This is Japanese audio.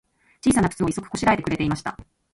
ちいさなくつを、一足こしらえてくれていました。